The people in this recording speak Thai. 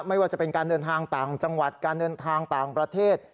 ไม่ว่าจะเป็นการเดินทางต่างจังหวัดการเดินทางต่างประเทศ